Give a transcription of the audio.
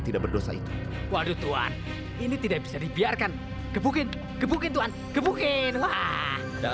sampai jumpa di video selanjutnya